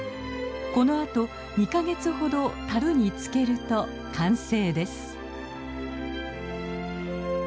このあと２か月ほどたるに漬けると完成です。